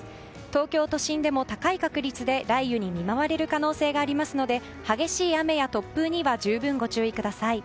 東京都心でも高い確率で雷雨に見舞われる可能性がありますので激しい雨や突風には十分ご注意ください。